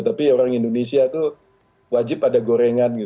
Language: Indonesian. tapi orang indonesia itu wajib ada gorengan